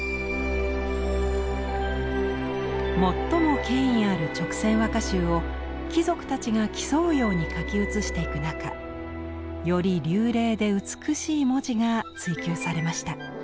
最も権威ある「勅撰和歌集」を貴族たちが競うように書き写していく中より流麗で美しい文字が追求されました。